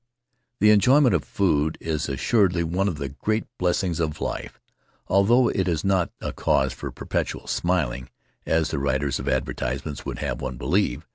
The enjoyment of food is assuredly one of the great blessings of life, although it is not a cause for perpetual smiling, as the writers of advertisements would have one believe.